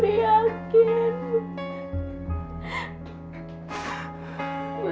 tolong aku bu